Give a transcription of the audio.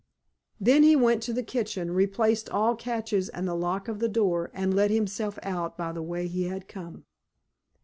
Then he went to the kitchen, replaced all catches and the lock of the door, and let himself out by the way he had come.